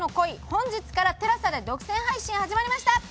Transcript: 本日からＴＥＬＡＳＡで独占配信始まりました！